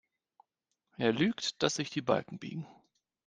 Er lügt, dass sich die Balken biegen.